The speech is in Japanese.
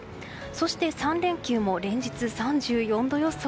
そして、３連休も連日３４度予想。